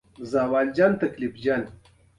ما ويل اوس به غر راباندې چپه سي.